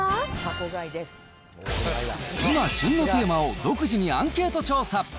今旬のテーマを独自にアンケート調査。